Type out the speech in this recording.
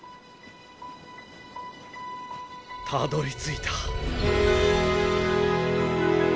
たどりついた。